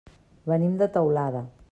Venim de Teulada.